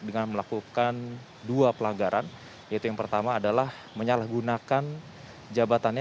dengan melakukan dua pelanggaran yaitu yang pertama adalah menyalahgunakan jabatannya